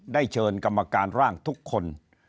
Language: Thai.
เชิญกรรมการร่างทุกคน